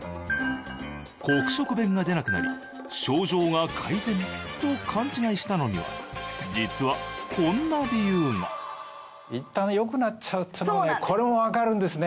黒色便が出なくなり症状が改善と勘違いしたのには実はこんな理由がいったんよくなっちゃうっていうのがねこれもわかるんですね。